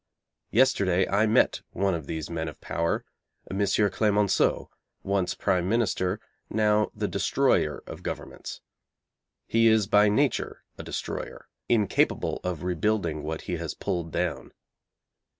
Yesterday I met one of these men of power M. Clemenceau, once Prime Minister, now the destroyer of governments. He is by nature a destroyer, incapable of rebuilding what he has pulled down.